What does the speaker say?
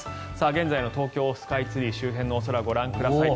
現在の東京スカイツリー周辺のお空ご覧ください。